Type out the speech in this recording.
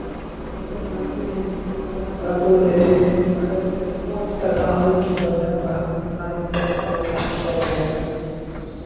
بلکہ طالبِ علمانہ لب و لہجے میں محض علم و استدلال کی بنا پر اپنا نقطۂ نظر پیش کیا جائے گا